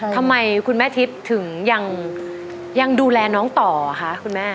ทำไมคุณแม่ทิพย์ถึงยังดูแลน้องต่อคะคุณแม่